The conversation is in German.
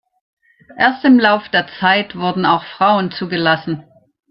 Erst im Lauf der Zeit wurden auch Frauen zugelassen.